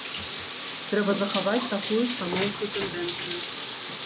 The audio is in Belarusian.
Трэба захаваць такую станоўчую тэндэнцыю.